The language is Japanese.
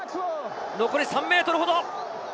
残り３ｍほど。